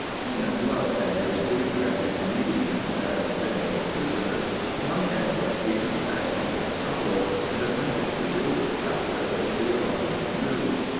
When Blood and his three tragic comedians had been made prisoners, young Edwards hastened back into the Tower and acquainted Sir Gilbert Talbot with the alarming news.